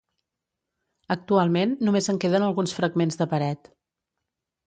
Actualment només en queden alguns fragments de paret.